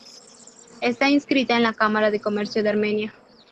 Está inscrita en la Cámara de Comercio de Armenia.